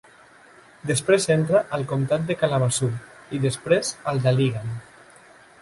Després entra al comtat de Kalamazoo i després al d'Allegan.